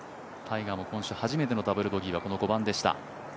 タイガーも初めてのダブルボギーがこの５番でした。